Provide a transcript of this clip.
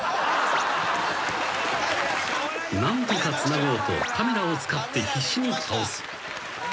［何とかつなごうとカメラを使って必死に倒す］